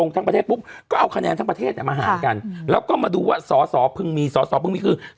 ทั้งประเทศมาหากันแล้วก็มาดูว่าสอพึงมีสอพึงมีคือ